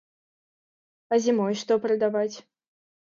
А зімой што прадаваць?